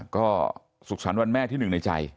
ก็สุขสรรค์วันแม่ที่หนึ่งในใจ